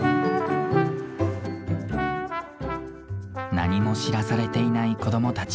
何も知らされていない子どもたち。